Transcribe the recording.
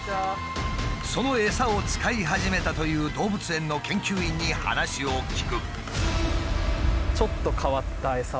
そのエサを使い始めたという動物園の研究員に話を聞く。